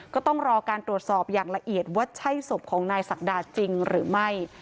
ก็ต้องรอการตรวจสอบอย่างละเอียดว่าใช่ศพของนายศักดาจริงหรือไม่